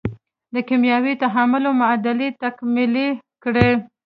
د کیمیاوي تعاملونو معادلې تکمیلې کړئ.